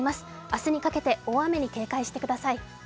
明日にかけて大雨に警戒してください。